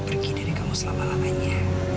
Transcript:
pergi dari kamu selama lamanya